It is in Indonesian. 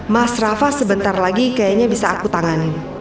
mas rafa sebentar lagi kayaknya bisa aku tanganin